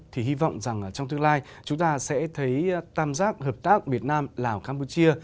thì hy vọng rằng trong tương lai chúng ta sẽ thấy tam giác hợp tác việt nam lào campuchia